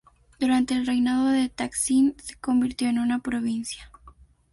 Durante el reinado de Taksin se convirtió en una provincia.